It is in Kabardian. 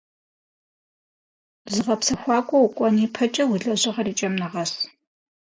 Зыгъэпсэхуакӏуэ укӏуэн и пэкӏэ, уи лэжьыгъэр и кӏэм нэгъэс.